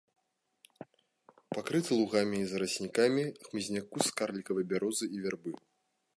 Пакрыты лугамі і зараснікамі хмызняку з карлікавай бярозы і вярбы.